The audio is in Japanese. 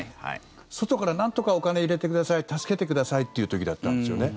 外からなんとかお金を入れてください助けてくださいという時だったんですよね。